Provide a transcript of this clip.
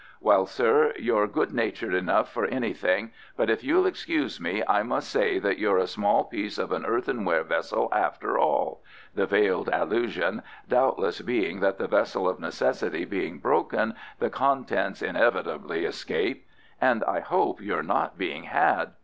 Well, sir, you're good natured enough for anything, but if you'll excuse me, I must say that you're a small piece of an earthenware vessel after all" the veiled allusion doubtlessly being that the vessel of necessity being broken, the contents inevitably escape "and I hope you're not being had."